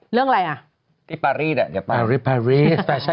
เรื่องอะไรอ่ะฟาชั่นวีคนี่ไงคุณแม่นะ